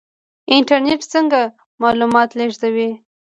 انټرنیټ څنګه معلومات لیږدوي؟